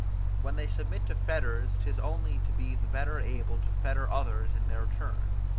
When they submit to fetters, 'tis only to be the better able to fetter others in their turn.